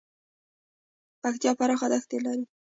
پکتیکا پراخه دښتې لري